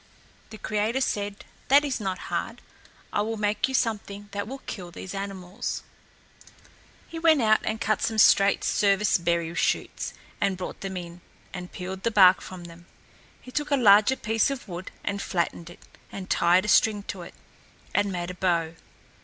The creator said, "That is not hard. I will make you something that will kill these animals." He went out and cut some straight service berry shoots, and brought them in, and peeled the bark from them. He took a larger piece of wood and flattened it, and tied a string to it, and made a bow.